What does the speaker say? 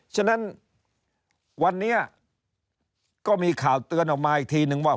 ฉะนั้นวันนี้ก็มีข่าวเตือนออกมาอีกทีนึงว่า